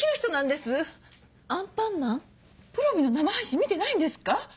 ぷろびんの生配信見てないんですか？